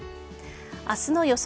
明日の予想